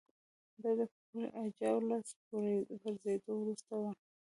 دا د کهول اجاو له پرځېدو وروسته وه